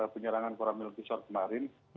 penyerangan kmtb kemarin